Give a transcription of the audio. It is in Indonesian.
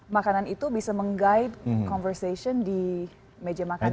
makanan itu bisa meng guide conversation di meja makan itu